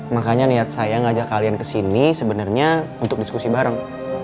makanya niat saya ngajak kalian kesini sebenarnya untuk diskusi bareng